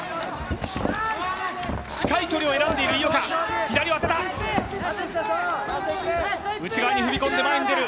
近い距離を選んでいる井岡、左を当てた。